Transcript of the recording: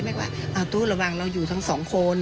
กว่าตู้ระวังเราอยู่ทั้งสองคน